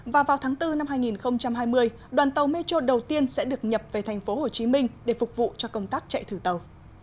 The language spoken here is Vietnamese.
và vào tháng bốn năm hai nghìn hai mươi đoàn tàu metro đầu tiên sẽ được nhập về thành phố hồ chí minh để phục vụ cho công tác chạy thử tàu